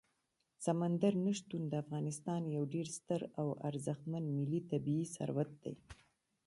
سمندر نه شتون د افغانستان یو ډېر ستر او ارزښتمن ملي طبعي ثروت دی.